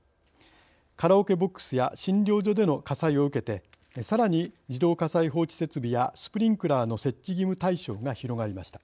カラオケボックスや診療所での火災を受けてさらに自動火災報知設備やスプリンクラーの設置義務対象が広がりました。